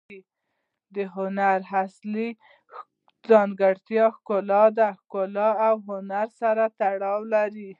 د هنر اصلي ځانګړتیا ښکلا ده. ښګلا او هنر سره تړلي دي.